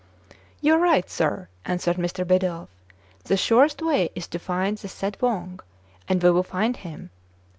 "You are right, sir," answered Mr. Bidulph. " The surest way is to find the said Wang, and we will find him."